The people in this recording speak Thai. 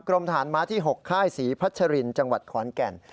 กรมฐานม้าที่๖ค่ายศรีพัชรินจังหวัดขอนแก่น